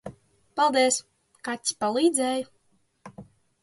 Paldies. Kaķis palīdzēja?